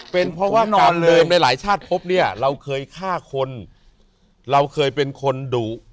เป็นเพราะว่าการเดิมในหลายชาติพบเนี่ยเราเคยฆ่าคนเราเคยเป็นคนดุ